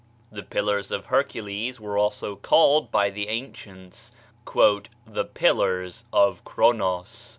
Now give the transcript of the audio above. The pillars of Hercules were also called by the ancients "the pillars of Chronos."